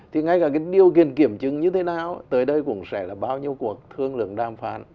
thì ngay cả cái điều kiện kiểm chứng như thế nào tới đây cũng sẽ là bao nhiêu cuộc thương lượng đàm phán